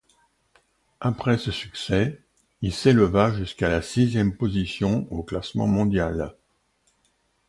Après ce succès, il s'éleva jusqu'à la sixième position au classement mondial.